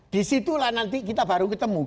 disitulah nanti kita baru ketemu